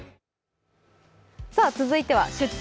続いては「出張！